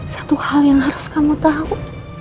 satu hal yang harus kamu tahu